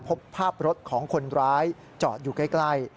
พบภาพรถของคนร้ายจอดอยู่ใกล้